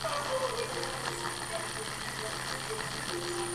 সেঞ্চুরিটাও হতে পারত, যদি নিজের কথা ভেবে ব্যাট করতেন একটু সতর্কভাবে।